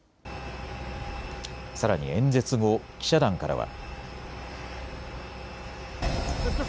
さらに演説後、記者団からは。